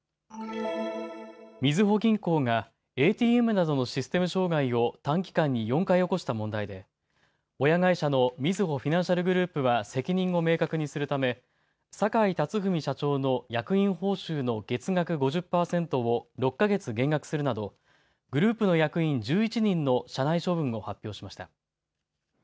みずほ銀行がＡＴＭなどのシステム障害を短期間に４回起こした問題で親会社のみずほフィナンシャルグループは責任を明確にするため坂井辰史社長の役員報酬の月額５０％を６か月減額するなどグループの役員１１人の社内処分を発表しました。